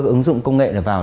các ứng dụng công nghệ vào